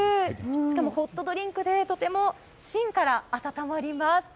しかもホットドリンクでとても芯から温まります。